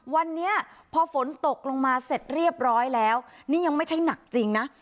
วันนี้พอฝนตกลงมาเสร็จเรียบร้อยแล้วนี่ยังไม่ใช่หนักจริงนะ